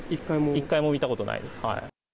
一回も見たことないです。